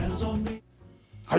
はい。